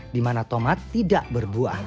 di mana tomat tidak berbuah